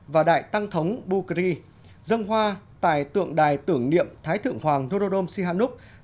và đại tăng thống bukri dân hoa tài tượng đài tưởng niệm thái tượng hoàng nururum sihamon